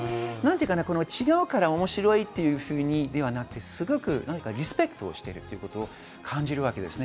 違うから面白いというふうではなくて、すごくリスペクトしているということを感じます。